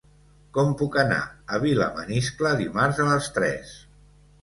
Com puc anar a Vilamaniscle dimarts a les tres?